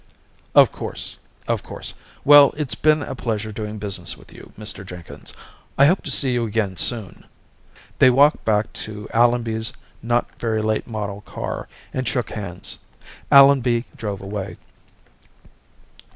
"Of course, of course. Well, it's been a pleasure doing business with you, Mr. Jenkins. I hope to see you again soon." They walked back to Allenby's not very late model car and shook hands. Allenby drove away.